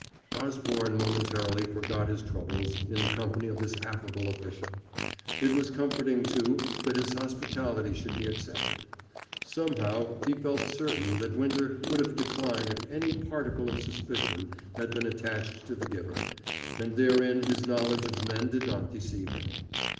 Osborne momentarily forgot his troubles in the company of this affable official. It was comforting, too, that his hospitality should be accepted. Somehow, he felt certain that Winter would have declined it if any particle of suspicion had been attached to the giver, and therein his knowledge of men did not deceive him.